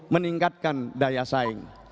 meningkatkan daya saing